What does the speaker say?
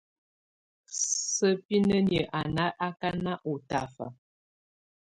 Sǝ́binǝniǝ́ á ná ákáná ɔ́ tafa.